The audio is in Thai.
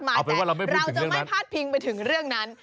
เราจะไม่พาดพิงไปถึงเรื่องนั้น